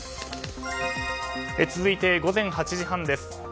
続いて、午前８時半です。